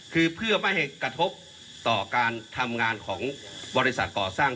คือเพื่อไม่ให้กระทบต่อการทำงานของบริษัทก่อสร้าง